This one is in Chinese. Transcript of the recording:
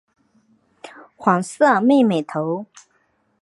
黄色妹妹头。